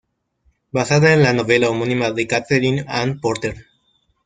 Basada en la novela homónima de Katherine Anne Porter.